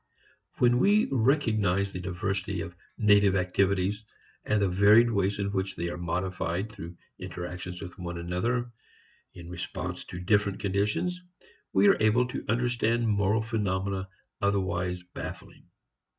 When we recognize the diversity of native activities and the varied ways in which they are modified through interactions with one another in response to different conditions, we are able to understand moral phenomena otherwise baffling.